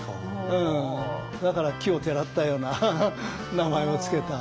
だから奇をてらったような名前を付けた。